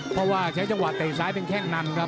เพราะใช้จังหวาดเตะซ้ายเป็นแข้งนำ